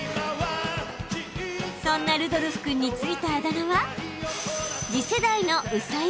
［そんなルドルフ君に付いたあだ名は］